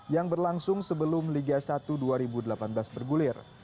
yang berlangsung sebelum liga satu dua ribu delapan belas bergulir